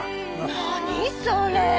何それ！